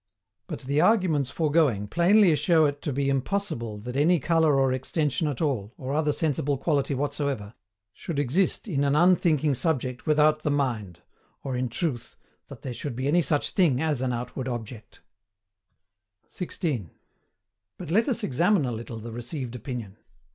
But the arguments foregoing plainly show it to be impossible that any colour or extension at all, or other sensible quality whatsoever, should exist in an UNTHINKING subject without the mind, or in truth, that there should be any such thing as an outward object. 16. But let us examine a little the received opinion.